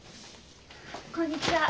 こんにちは。